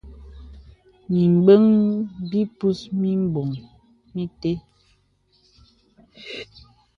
Mìmbəŋ bìpus mìmboŋ mìtə́.